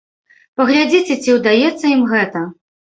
Паглядзіце ці ўдаецца ім гэта.